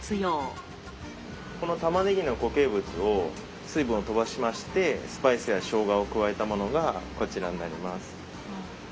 このたまねぎの固形物を水分を飛ばしましてスパイスやしょうがを加えたものがこちらになります。